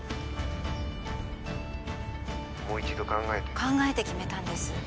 ☎もう一度考えて考えて決めたんです☎